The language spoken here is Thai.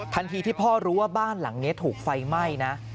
ที่พ่อรู้ว่าบ้านหลังนี้ถูกไฟไหม้นะ